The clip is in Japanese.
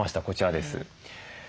こちらです。